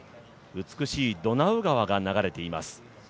美しいドナウ川が流れています。